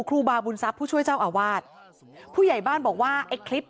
ครูบาบุญทรัพย์ผู้ช่วยเจ้าอาวาสผู้ใหญ่บ้านบอกว่าไอ้คลิป